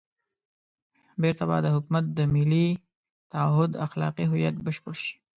بېرته به د حکومت د ملي تعهُد اخلاقي هویت بشپړ شي.